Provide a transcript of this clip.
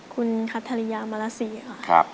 คุณคัทริยามรสี